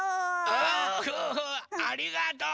おありがとう！